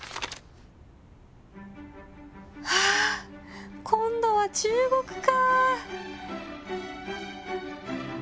あ今度は中国か！